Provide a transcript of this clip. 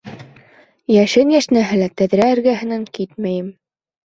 Йәшен йәшнәһә лә, тәҙрә эргәһенән китмәйем.